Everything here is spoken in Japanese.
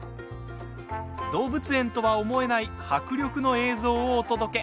動物園とは思えない迫力の映像をお届け。